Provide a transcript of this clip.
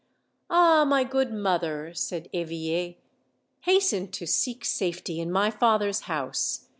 "Ah, my good mother!" said Eveille, "hasten to seek safety in my father's house.